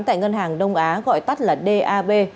tại ngân hàng đông á gọi tắt là dab